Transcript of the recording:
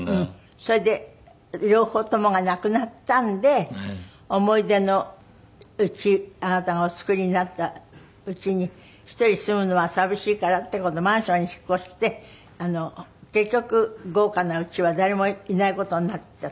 それで両方ともが亡くなったんで思い出の家あなたがお作りになった家に一人住むのは寂しいからって今度マンションに引っ越して結局豪華な家は誰もいない事になっちゃった。